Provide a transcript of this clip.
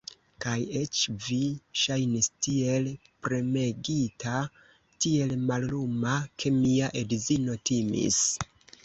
Kaj eĉ vi ŝajnis tiel premegita, tiel malluma, ke mia edzino timis.